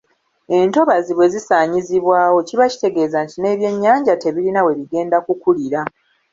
Entobazi bwe zisaanyizibwawo kiba kitegeeza nti n’ebyennyanja tebirina we bigenda kukulira.